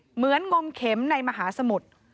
เหมือนงมเข็มในมหาสมุทธ์